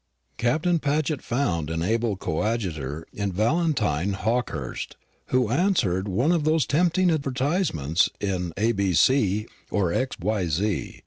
Captain Paget found an able coadjutor in Valentine Hawkehurst, who answered one of those tempting advertisements in which A. B.C. or X. Y. Z.